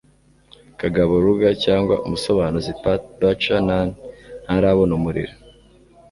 Kagabo Lugar cyangwa umusobanuzi Pat Buchanan ntarabona umuriro